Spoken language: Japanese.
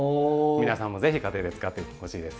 皆さんもぜひ家庭で使ってほしいです。